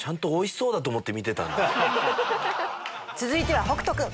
続いては北斗君。